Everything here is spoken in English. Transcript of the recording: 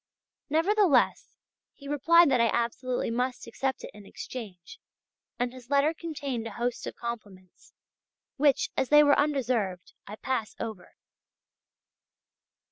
Nevertheless, he replied that I absolutely must accept it in exchange, and his letter contained a host of compliments which, as they were undeserved, I pass over.